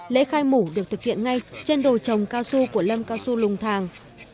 lễ khai mủ được thực hiện ngay trên đồ trồng casu của lâm casu lùng thàng